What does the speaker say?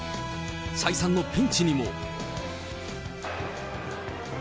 再三のピンチにも。